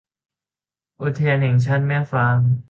อุทยานแห่งชาติแม่ฝาง